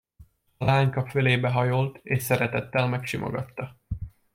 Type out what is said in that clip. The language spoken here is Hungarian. A leányka fölébe hajolt, és szeretettel megsimogatta.